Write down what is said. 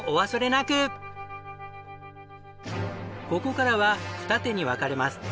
ここからは二手に分かれます。